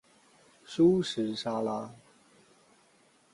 蔬食沙拉